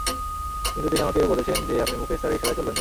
কিন্তু তিনি আমাকে বলেছেন যে আপনি মুকেশ স্যারের ইশারায় চলবেন না।